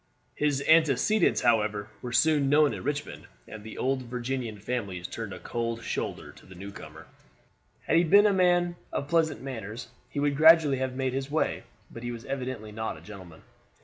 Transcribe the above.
His antecedents, however, were soon known at Richmond, and the old Virginian families turned a cold shoulder to the newcomer. Had he been a man of pleasant manners, he would gradually have made his way; but he was evidently not a gentleman.